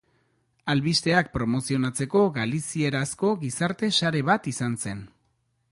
Albisteak promozionatzeko galizierazko gizarte-sare bat izan zen.